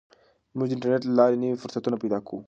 موږ د انټرنیټ له لارې نوي فرصتونه پیدا کوو.